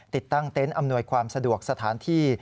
ติดตั้งเต็นต์อำนวยความสะดวกสถานที่